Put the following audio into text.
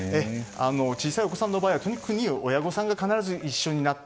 小さいお子さんの場合は親御さんが必ず一緒になって。